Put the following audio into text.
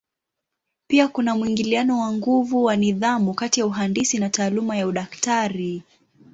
Pia kuna mwingiliano wa nguvu wa nidhamu kati ya uhandisi na taaluma ya udaktari.